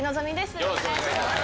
よろしくお願いします。